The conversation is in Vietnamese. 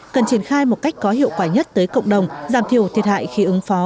cần triển khai một cách có hiệu quả nhất tới cộng đồng giảm thiểu thiệt hại khi ứng phó